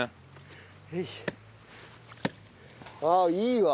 ああいいわ。